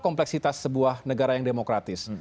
kompleksitas sebuah negara yang demokratis